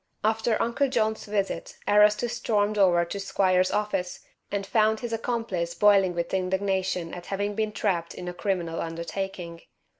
After Uncle John's visit Erastus stormed over to Squiers's office and found his accomplice boiling with indignation at having been trapped in a criminal undertaking.